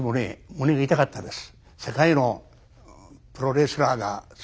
胸が痛かったです。